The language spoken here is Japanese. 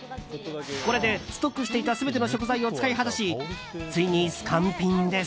これでストックしていた全ての食材を使い果たしついにスカンピンです。